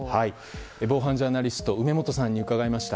防犯ジャーナリストの梅本さんに伺いました。